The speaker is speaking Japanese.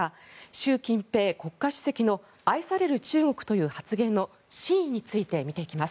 習近平国家主席の愛される中国という発言の真意について見ていきます。